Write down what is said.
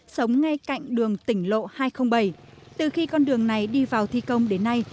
sống ngay cạnh đường tỉnh lộ hai trăm linh bảy từ khi con đường này đi vào thi công đến nay